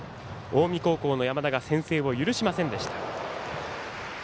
近江高校の山田が先制を許しませんでした。